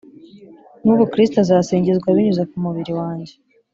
n ubu kristo azasingizwa binyuze ku mubiri wanjye